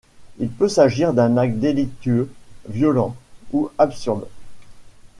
Il peut s'agir d'un acte délictueux, violent, ou absurde.